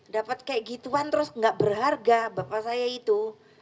dapat kayak gituan terus nggak berharga bapak saya itu